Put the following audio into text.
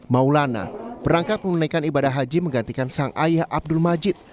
maulana perangkat menunaikan ibadah haji menggantikan sang ayah abdul majid